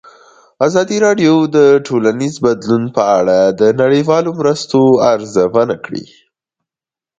ازادي راډیو د ټولنیز بدلون په اړه د نړیوالو مرستو ارزونه کړې.